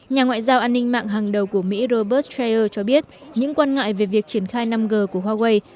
nhà ngoại giao an ninh mạng hàng đầu của mỹ robert strayer cho biết những quan ngại về việc triển khai năm g của huawei